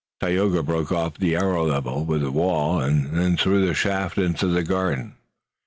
Tayoga broke off the arrow level with the wall, and threw the shaft into the garden.